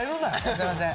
すいません。